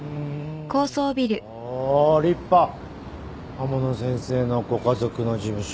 天野先生のご家族の事務所。